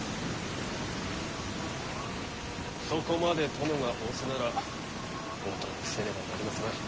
そこまで殿が仰せならお供せねばなりますまい。